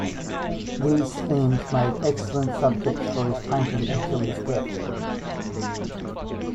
These themes made excellent subjects for his painting until his death.